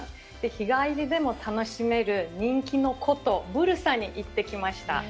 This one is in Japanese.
日帰りでも楽しめる人気の古都・ブルサに行ってきました。